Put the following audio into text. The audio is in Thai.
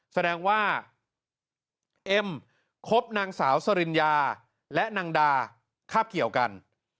แสดงว่าเอ็มคบนางสาวสริญญาและนางดาคาบเกี่ยวกัน